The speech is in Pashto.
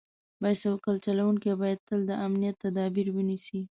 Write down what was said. بایسکل چلونکي باید تل د امنیت تدابیر ونیسي.